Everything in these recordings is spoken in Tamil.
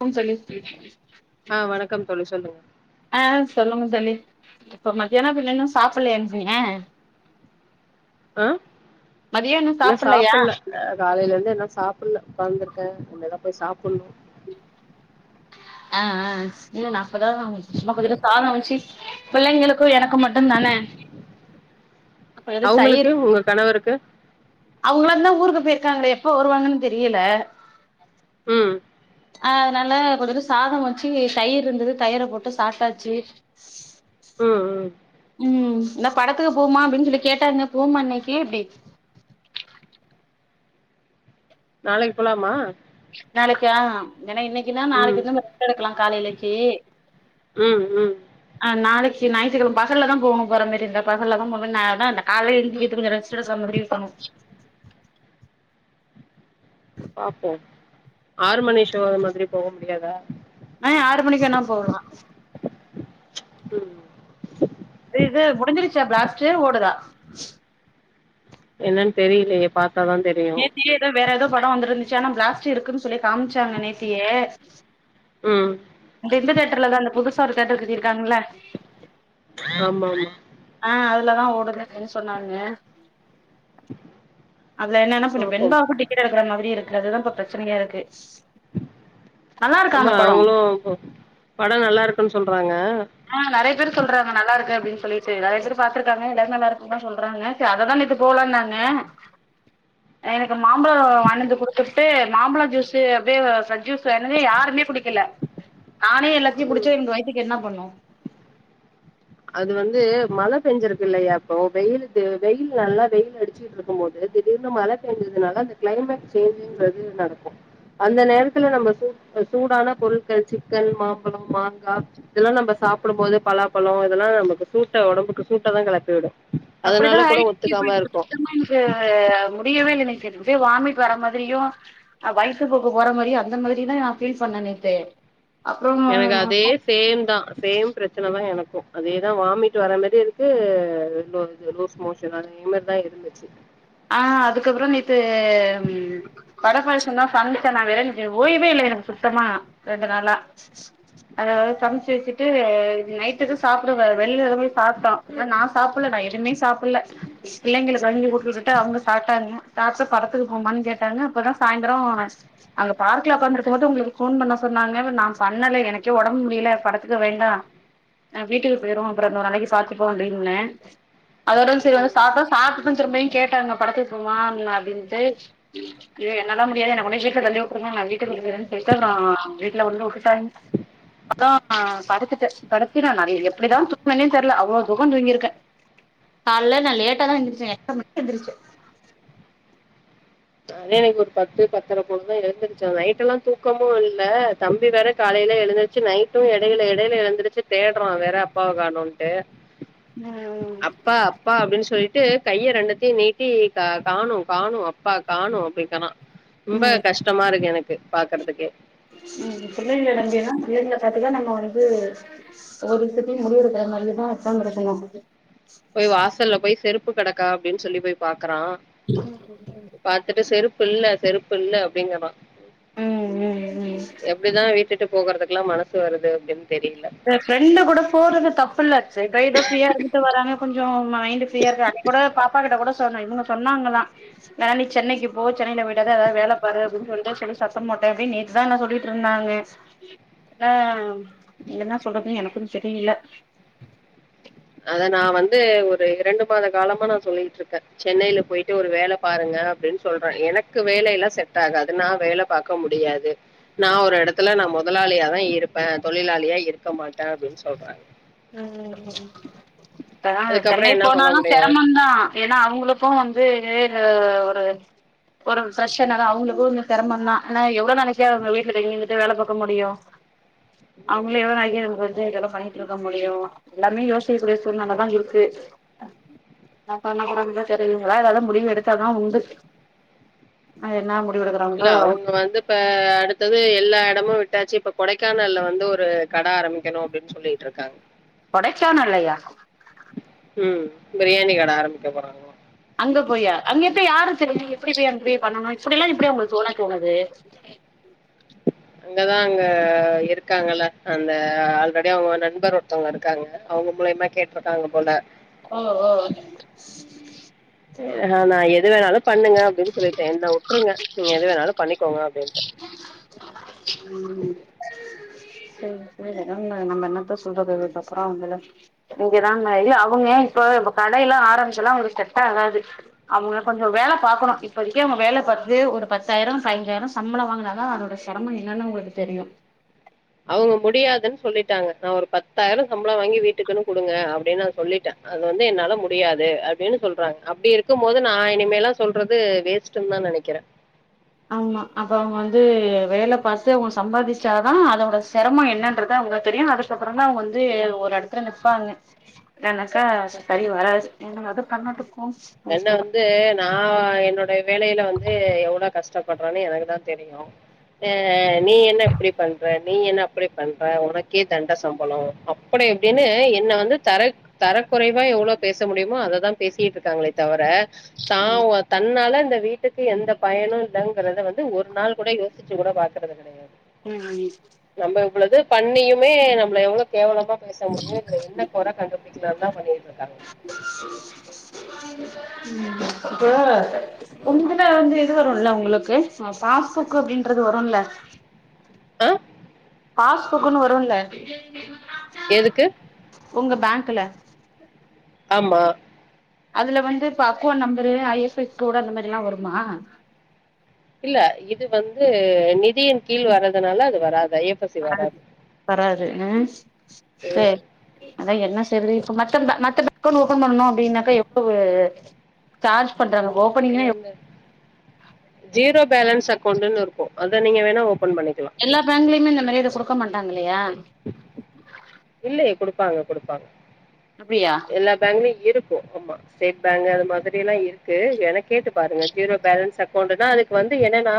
ம் தோழி ஆ வணக்கம் தோழி சொல்லுங்க ஆ சொல்லுங்க தோழி இப்ப மத்தியானோ பின்ன இன்னு சாப்டலையா நீங்க ஆ மதியம் இன்னு சாப்பிடலையா சாப்ல்ல ஆ காலேல இருந்து இன்னு சாப்ல்ல உக்காந்துருக்கே இனிமேதா போய் சாப்ன்ணு ஆ ஆ இல்ல நா சொல்றதுல்லா உங்களுக்கு சின்ன புள்ளைல சாதம்வச்சி பிள்ளைங்களுக்கு எனக்கு மட்டுந்தான அப்ப எது அவங்களுக்கு தயிர் உங்க கணவருக்கு அவங்களாந்தா ஊருக்கு போயிருக்காங்களே எப்ப வருவாங்கன்னு தெரியல ம் அதனால கொஞ்சோண்டு சாதோ வச்சு தயிர் இருந்தது தயிர போட்டு சாப்டாச்சு ம் ம் ம் என்ன படத்துக்கு போவமா அப்டின்னு சொல்லி கேட்டாங்க போவமா இன்னக்கி எப்டி நாளைக்கி போலாமா நாளைக்கா ஏன்னா இன்னைக்குன்னா ம் நாளைக்குன்னு ரெஸ்ட் எடுக்கலா காலேலக்கி ம் ம் ஆ நாளைக்கி ஞாயித்துக்கெழம பகல்லதா போனு போற மாரி இருந்தா பகல்லதா போனு நா என்ன இந்த கால்ல எந்திக்கிறதுக்கு கொஞ்சோ ரெஸ்ட் திரசா முடிவு பண்ணு பாப்போ ஆறு மணி ஷோ அது மாதிரி போக முடியாதா ஆ ஆறு மணிக்கு வேணா போகலா ம் இந்த இது முடிஞ்சிருச்சா பிளாஸ்ட் ஓடுதா என்னன்னு தெரியலையே பாத்தாதா தெரியு நேத்தியே ஏதோ வேற ஏதோ படோ வந்துருந்துச்சி ஆனா பிளாஸ்ட் இருக்குன்னு சொல்லி காமிச்சாங்க நேத்தியே ம் இந்த இந்த தேட்டர்லதா இந்த புதுசா ஒரு தேட்டர் கட்டிருக்காங்களா ஆமா ஆமா ஆ அதுலதா ஓடுது அப்டின்னு சொன்னாங்க அதுல என்னன்னா பின்ன பாப்போம் வெண்பாவுக்கு டிக்கட் எடுக்கற மாதிரி இருக்கு அதுதா இப்ப பிரச்சனையா இருக்கு நல்லா இருக்கா ஆமா அந்த படோ அவளு படோ நல்லா இருக்குன்னு சொல்றாங்க ஆ நெறய பேர் சொல்றாங்க நல்லா இருக்கு அப்டின்னு சொல்லிட்டு நெறைய பேரு பாத்துருக்கங்க எல்லாரு நல்லா இருக்குன்னுதா சொல்றாங்க சேரி அததா நேத்து போலானாங்க [inaudible] எனக்கு மாம்பழம் வாங்கிட்டு வந்து குடுத்துபுட்டு மாம்பழம் ஜூஸு அப்டியேவு ப்ரஸ் ஜூஸ் வாங்கிட்டு வந்து யாருமே குடிக்கல நானே எல்லாத்தையு ம் குடிச்சா எனக்கு வயித்துக்கு என்ன பண்ணு அது வந்து மழ பேஞ்சிருக்கு இல்லையா இப்போ வெயிலுக்கு வெயில் நல்லா வெயில் அடிச்சு இருக்கும் போது திடீர்னு மழ பேஞ்சதுனால அந்த கிளைமேட் சேஞ்சுங்கறது நடக்கு அந்த நேரத்துல நம்ம சூப் சூடான பொருட்கள் சிக்கன் மாம்பழம் மாங்கா இதெல்லா நம்ப சாப்பிடும்போது பலாப்பழம் இதெல்லா நமக்கு சூட்ட ஒடம்புக்கு சூட்டதா கெளப்பி விடு அப்டிதா அதனால கூட ஆயிடுச்சு இப்ப ஒத்துக்காம எனக்கு இருக்கு சுத்தமா எனக் கு முடியவே இல்லை இன்னக்கு ஒரே வாமிட் வர்ற மாதிரியு அ வயித்து போக்கு போற மாரியு அந்த மாதிரிலா நா ஃபீல் பண்ணே நேத்து. எனக்கு அப்றோ அதே சேம் தா சேம் பிரச்சன தா எனக்கு அதேதா வாமிட் வர மாரி இருக்கு லு இது லூஸ் மோ சன் அதே மாரிதா இருந்துச்சு. ஆ அதுக்கப்புறோ நேத்து ம் வட பாயாசந்தா சம்ச்சே நா வேற இன்னிக்கி ஓய்வே இல்ல எனக்கு சுத்தமா ரெண்டு நாளா. அதவேற சம்ச்சு வெச்சிட்டு நைட்டுக்கு சாப்பிட வெ வெள்லத போய் சாப்ட்டோ. இப்ப நா சாப்பல்ல நா எதுமே சாப்பல்ல பிள்ளைங்களுக் கஞ்சி குடுத்துட்டுட் டு அவுங்க சாப்ட்டாங்க சாப்ட்டு படத்துக்கு போவமான் கேட்டாங்க இப்பதா சாயந்தரோ அங்க பார்க்ல ஒக்காந்துருக்கும்போது உங்குளுக்கு ஃபோன் பண்ண சொன்னாங்க ப்பற் நா பண்ணல எனக்கே ஒடம் முடில படத்துக்கு வேண்டா அ வீட்டுக்கு போயிருவோ அப்புறோ இன்னோரு நாளைக் பாத்துப்போ அப்டின்னே அதோட செரி வந்து ம் சாப்டோ சாப்டுது திரும்பையு கேட்டாங்க படத்துக் போவமான்னா அப்டின்ட்டு க்கு என்னால்லா முடியாது என்ன கொண்டோய் வீட்ல தள்ளி உட்டுருங்க நா வீட்டுக்கு போய்றேன் சொல்ட்டு அப்றோ வீட்ல கொண் போ உட்டுட்டாங். அப்றோ படுத்துட்டே படுத்து நா நதய எப்பிடிதா தூங்னனே தெர்ல அவ்ளோ தூக்கோ தூங்கிருக்கே. கால்ல நா லேட்டாதா எந்திருச்சே [inaudible] எந்திருச்சே. அதா இன்னிக் ஒரு பத்து பத்தர போலதா எழுந்திருச்சே நைட் எல்லா தூக்கமு இல்ல தம்பி வேற காலைல எழுந்த ச்சு நைட்டு எடையில எடையில எழுந்துருச்சு தேட்றா வேற அப்பாவ காணோன்ட்டு. ம் அப்பா ப்பா அப்டின் சொல்லிட்டு கைய ரெண்டுத்தியு நீட்டி க காணோ காணோ அப்பா காணோ அப்டிக்கறா ரொம்ப ம் கஷ்டமா இருக்கு எனக்கு பாக்கறதுக்கே. ம் ம் பிள்ளைங்கள நம்பி எல்லா பிள்ளைங்கள பாத்துதா நம்ம வந்து ஒவ்வொர் விஷ்யத்தியு முடிவெடுக்குற மாரியேதா ஒக்காந்திருக்குணு. போய் வாசல்ல போய் செருப்பு கெடக்கா அப்டின் சொல்லி போய் பாக்கறா. [inaudible] பாத்துட்டு செருப்பு இல்ல செருப்பு இல்ல அப்டிங்கறா. ம் ம் ம் எப்டிதா வீட்டுட்டு போகறதுக்லா மனசு வருது அப்டின் தெரில. இந்த ஃப்ரெண்டு கூட போறது தப்புல்ல செ இதா எதோ ஃப்ரீயா இருந்துட்டு வராங்க கொஞ்சோ மைண்டு ஃப்ரீயாருக்கு அன்னிக் கூட பாப்பா கிட்ட கூட சொன்னே இவுங்க சொன்னாங்கலா. நா நீ சென்னைக்கு போ சென்னைல போய்ட்டு எதா எதாவ் வேல பாரு அப்டின் சொல்ட்டு சொல்லி சத்தம் போட்டே அப்டின் நேத் இதான்னா சொல்லிட்ருந்தாங்க. அ ம் என்னா சொல்றதுன் எனக்குந் தெரியில. அத நா வந்து ஒரு இரண்டு மாத காலமா நா சொல்லிகிட்ருக்கே. சென்னையில போயிட்டு ஒரு வேல பாருங்க அப்டின் சொல்றே எனக்கு வேலையெல்லா செட் ஆகாது நா வேல பாக்க முடியாது. நா ஒரு எடத்துல நா மொதலாளியாதா இருப்பே தொழிலாளியா இருக்க மாட்டே அப்டின் சொல்றாங். ம் ம் இப்பல்லா அது அதுக்கப்புறம் சென்னை என்ன சொல்ல போனாலு முடியும்? செரமந்தா. ஏனா அவுங்குளுக்கு வந்து அ ஒரு ஒரு ஃப்ரெஷர்னால அவுங்களுக்கு இங்க செரமந்தா ஆனா எவ்ளோ நாளைக்குதா அவுங்க வீட்ல கை [unintelligible] வேல பாக்க முடியு. [inaudible] ம். அவுங்ளே எவ்ள நாளைக்குதா நமக்கு வந்து இது எல்லா பண்ணி க முடியு எல்லாருமே யோசிக்கக்கூடிய சூழ்நெலதா இருக்கு. நா பண்ண கூடாதுன்தா தெரிதுங்களா இல்ல அதா முடிவு எடுத்தாதா உண்டு. அ என்னா முடிவடுக்கறா இல்ல அவுங்க வந்து இப்ப அடுத்தது எல்லா எடமு விட்டாச்சு இப்ப கொடைக்கானல்ல வந்து ஒரு கட ஆரம்பிக்கணு அப்டின் சொல்லிட்ருக்கா. கொடைக்கானல்லையா? ம் பிரியாணி கட ஆரம்பிக்க போறாங்க அங்க போயா அங்க எப்டி யார தெரியு எப்படி போய் அங்க போய் பண்ணணு‌ இப்படி‌ எல்லாம் எப்படி அவுங்களுக்கு தோணதோணுது [inaudible] அங்கதா அங்க இருக்காங்கல்ல அந்த ஆல்ரெடி அவுங்க நண்பர் ஒருத்தோவங்க இருக்காங்க அவுங்க மூலியமா கேட் ருக்காங்க போல ஓ ஓ ஹ நா எது வேணாலும் பண்ணுங்க அப்டின்னு சொல்லிட்டே என்ன உட்டுருங்க நீங்க எது வேணாலும் பண்ணிக்கோங்க அப்டின் ம் மு முடில நம்ம நம்ப என்னத்த சொல்றது இதுக் அப்புறோ அவுங்கல இங்கதாங்க இல்ல அவுங்க இப்போ கடையெல்லா ஆரம்பிச்சல்லா அவுங்களுக்கு செட்டா ஆகாது அவுங்க கொஞ்சோ வேல பாக்கணு இப்போதிக்கு அவுங்க வேல பாத்து ஒரு பத்தாயிரோ பதிஞ்சாயிரோ சம்பளோ வாங்கனா தா அதோட சிரமோ என்னனு அவுங்களுக்கு தெரியு அவுங்க முடியாதுன் சொல்லிட்டாங்க நா ஒரு பத்தாயிரோ சம்பளோ வாங்கி வீட்டுக்குன்னு குடுங்க அப்டின் நா சொல்லிட்ட அது வந்து என்னால முடியாது அப்டின்னு சொல்றாங்க அப்டி இருக்கும் போது நா இனிமேல்லா சொல்றது வேஸ்ட் டுந்தா நனைக்கற ஆமா அப்ப அவுங்க வந்து வேல பாத்து அவீங்க சம்பாதிச்சாதா அதோட சிரமோ என்னன்றத அவுங்களுக்கு தெரியு‌ அத அப்புறோந்தா அவுங்க வந்து ஒரு இடத்துல நிப்பாங்க எனக்கா சரி வராது என்னாதோ பண்ணட்டும் போங்க என்ன வந்து நா என்னோடைய வேலையில வந்து எவ்ளோ கஷ்டப்படுறன்னு எனக்கு தா தெரியு அ நீ என்ன இப்படி பண்ற நீ என்ன அப்படி பண்ற உனக்கே தண்ட சம்பளோ அப்படே இப்டின்னு என்ன வந்து தர தரக்குறைவா எவ்ளோ பேச முடியுமோ அததா பேசிட்டு இருக்காங்களே தவர தா வந் தன்னால இந்த வீட்டுக்கு எந்த பயனு இல்லங்கறத வந்து ஒரு நாள் கூட யோசிச்சு கூட பாக்குறதில்ல கடையாது ம் ம் நம்ப இவ்வளது பண்ணியுமே நம்பள எவ்ளோ கேவலமா பேச முடியு இதுல என்ன கொற கண்டு புடிக்கலாதா பண்ணிட்டு இருக்காங்க ம் இப்ப உங்கல வந்து இது வருல்ல உங்களுக்கு ஃபாஸ்புக் அப்படின்றது வருல்ல அ பாஸ்புக்குன்னு வருல்ல எதுக்கு உங்க பேங்க்குல ஆமா அதுல வந்து இப்ப account number I F S code அந்த மாரில்லா வருமா இல்ல இது வந்து நிதியின் கீழ் வர்றதுனால அது வராது ஐ எஸ் சி வராது வராது ம் சேர் அதா என்ன செய்யறது இப்ப மத்த மத்த பேங்க் ஒன்னு ஓப்பன் பண்ணனு அப்டின்னாக்கா எவ்ளவு சார்ஜ் பண்றாங்க ஓபனிங்கே ம் ஜீரோ பேலன்ஸ் அக்கௌண்ட்டுனு இருக்கு‌ அத நீங்க வேணா ஓபன் பண்ணிக்கலா எல்லா பேங்க்லயுமே இந்த மாரி எது குடுக்க மாட்டாங்க இல்லையா இல்லையே குடுப்பாங்க குடுப்பாங்க அப்டியா எல்லா பேங்க்லயு இருக்கு ஆமா ஸ்டேட் பேங்க் அது மாதிரி எல்லா இருக்கு ஏன கேட்டு பாருங்க ஜீரோ பேலன்ஸ் அக்கௌண்ட்டுன்னா அதுக்கு வந்து என்னன்னா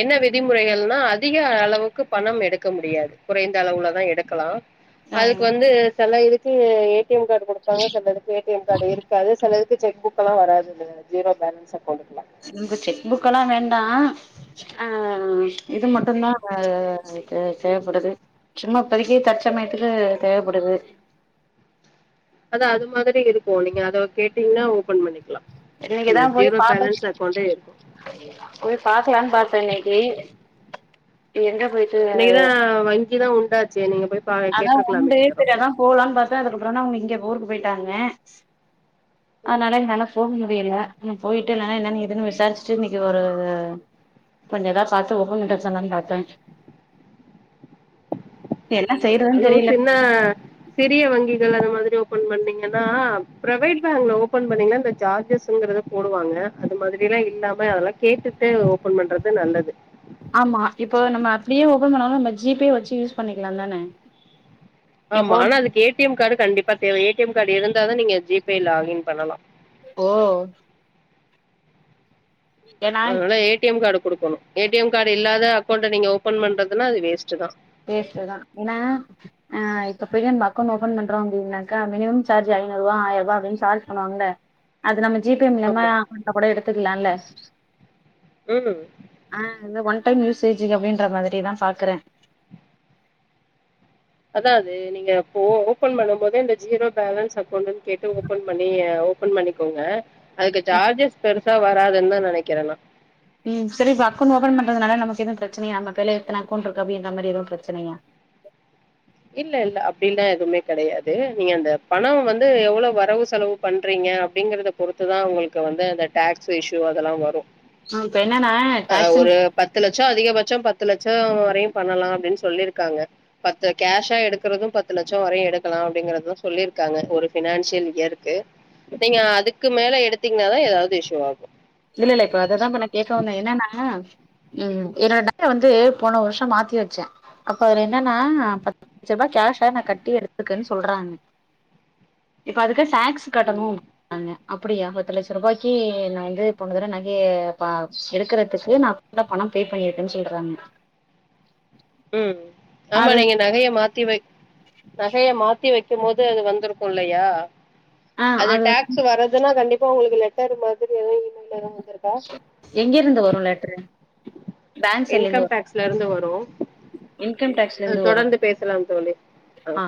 என்ன விதிமுறைகள்னா அதிக அளவுக்கு பணம் எடுக்க முடியாது குறைந்த அளவுலதா எடுக்கலா அதுக்கு ம் வந்து செல்ல இதுக்கு ஏடி எம் கார்டு செலதுக்கு ஏடிஎம் கார்டு இருக்காது செலதுக்கு செக் புக்லா வராது இந்த ஜீரோ பேலன்ஸ் அக்கௌண்ட்ல்லா இங்க செக் புக்லா வேண்டா அ இது மட்டுதா அ தேவ தேவபடுது சும்மா இப்பதிக்கு தற்சமயத்துக்கு தேவப்படுது அதா அது மாதிரி இருக்கு நீங்க அத கேட்டீங்ன்னா ஓபன் பண்ணிக்கலா இந்த இன்னைக்குதா போய் ஜீரோ பாக்க பேலன்ஸ் அக்கௌண்டே இருக்கு போய் பாக்கலான்னு பாத்த இன்னைக்கு எங்க போய் இன்னைக்குதா வங்கிதா உண்டாச்சே நீங்க போய் பா அதா கேட்ருக்கலாமே உண்டு இந்நேரோ சேரிஅதா போலானு பாத்த அதுக்கப்பறதா அவுங்க இங்க ஊருக்கு போயிட்டாங்க அதனால என்னால போ முடில ஆன போயிட்டு இல்லனா என்னனு எதுன்னு விசாரிச்சுட்டு இன்னைக்கு ஒரு கொஞ்ச எதாவது பாத்து ஒப்பன் பண்டு வர சொல்லானு பாத்த கேல அதுவு சின்ன சிறிய வங்கிகள் அந்த மாதிரி ஓபன் பண்ணீங்கன்னா ப்ரவேட் பேங்க்ல ஓபன் பண்ணிங்னா இந்த சார்ஜஸ்ங்கறத போடுவாங்க அது மாதிரில்லா இல்லாம அதெல்லா கேட்டுட்டு ஓபன் பண்றது நல்லது ஆமா இப்போ நம்ம அப்டியே ஓபன் பண்ணாலு நம்ம ஜி பே வச்சு யூஸ் பண்ணிக்கலா தான ஆமா இப்போ ஆனா அதுக்கு ஏ டி எம் கார்டு கண்டிப்பா தேவ ஏ டி எம் கார்டு இருந்தா தா நீங்க ஜிபே லாக்இன் பண்ணலா ஓ ஏன்னா அதனால ஏ டி எம் கார்டு குடுக்கணு ஏ டி எம் கார்டு இல்லாத அக்கௌண்ட நீங்க ஓபன் பண்றதுனா அது வேஸ்ட் தா வேஸ்ட்தா என்னா ஆ இப்பபோயி நம்ப அக்கவுண்ட் ஓபன் பண்றோ அப்டினாக்கா மினிமம் சார்ஜ் ஐநூறுவா ஆயருவா அப்டின்னு சார்ஜ் பண்ணுவாங்கல்ல அது நம்ம ஜிபே மூலியமா ஆமா அக்கவுண்ட்ல கூட எடுத்துக்கலால்ல ம் ஆ இது ஒன் டைம் யூசேஜு அப்டின்ற மாதிரிதா பாக்கற அதா அது நீங்க அப்போ ஓபன் பண்ணு போதே இந்த ஜீரோ பேலன்ஸ் அக்கோண்ட்ன்னு கேட்டு ஓபன் பண்ணி ஓபன் பண்ணிக்கோங்க அதுக்கு சார்ஜஸ் பெருசா வராதுன்னு தா நெனைக்கிற நா ம் சரி இப்ப அக்கவுண்ட் ஓப்பன் பண்ரதுனால நமக்கு எதுவு பிரச்சனையா நம்ம கைல எத்தன அக்கவுண்ட் இருக்கு அப்டின்ற மாரி எதுவு பிரச்சனையா இல்ல இல்ல அப்டில்லா எதுமே கெடயாது நீங்க அந்த பணோ வந்து எவ்ளோ வரவு செலவு பண்றீங்க அப்டிங்கறத பொறுத்துதா உங்களுக்கு வந்து அந்த டாக்ஸ் இஷ்யூ அதெல்லா வரு இப்ப என்னன்னா அ டாக்ஸ் ஒரு பத்து லட்சோ அதிகபட்சோ பத்து லட்சோ வரையு பண்ணலா அப்டின்னு சொல்லிருக்காங்க பத்து கேஷா எடுக்கறது பத்து லட்சோ வரையு எடுக்கலா அப்டிங்கறதுதா சொல்லிருக்காங்க ஒரு ஃபினான்ஷியல் இயருக்கு இப்பங்க அதுக்கு மேல எடுத்தீங்கனாதா ஏதாவது இஷ்யூ ஆகு இல்ல இல்ல இப்போ அததா இப்ப நா கேக்க வந்த என்னனா ம் என்னோட நக வந்து போன வருஷோ மாத்தி வச்ச அப்ப அவரு என்னன்னா பத்து லட்ச ரூபா கேஷா நா கட்டி எடுத்துக்கன்னு சொல்றாங்க இப்ப அதுக்கு சாக்ஸ் கட்டணு ம் [inaudible] ங்க அப்டியா பத்து லட்ச ருபாய்க்கு நா வந்து போனதட நகைய பா எடுக்கறதுக்கு நா கூட பணோ பே பண்ணியிருக்கேன்னு சொல்றாங்க ம் ஆமா அது நீங்க நகைய மாத் த்தி வைக் நகைய மாத்தி வைக்கு போது அது வந்துருக்கு இல்லையா ஆ அந்த அது வந்து டாக்ஸ் வர்றதுன்னா கண்டிப்பா உங்களுக்கு லெட்டர் மாதிரி எதோ இ மெயில் எதோ வந்துருக் கு எங்க இருந்து வரு லெட்ரு பேங்க் இன்கம் டேக்ஸ்ல இருந்து வரு இன்கம்டேக்ஸ் அ தொடர்ந்து பேசலாம் தோழி அ ஆ